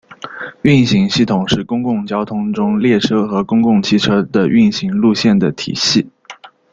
运行系统是公共交通中列车和公共汽车的运行路线的体系。